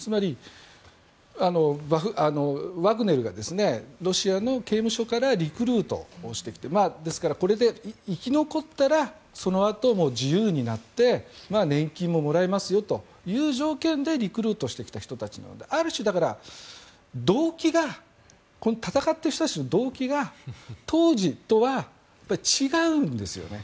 つまり、ワグネルがロシアの刑務所からリクルートをしてきてこれで生き残ったらそのあと、自由になって年金ももらえますよという条件でリクルートしてきた人たちなのである種戦っている人たちの動機が当時とは違うんですよね。